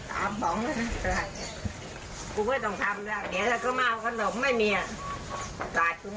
ตามหลองนะอะไรกูไม่ต้องทำแล้วเดี๋ยวถ้าก็มาเอาขนมไม่มีสาดกูหมด